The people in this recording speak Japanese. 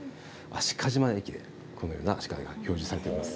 海鹿島駅でこのようなアシカが表示されています。